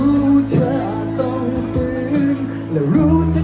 โอ้โหดังมากอะ